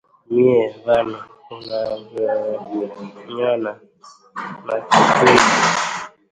Mie vano unavyonyona na kitungi changu